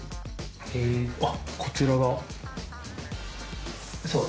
あっこちらが。